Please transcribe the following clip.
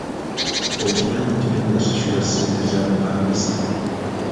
Okimanyi nti tonnasasula ssente za bupangisa?